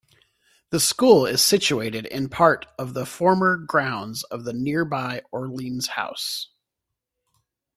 The school is situated in part of the former grounds of nearby Orleans House.